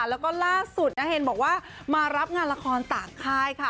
แล้วก็ล่าสุดนะเห็นบอกว่ามารับงานละครต่างค่ายค่ะ